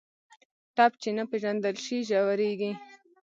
ټپ چې نه پېژندل شي، ژورېږي.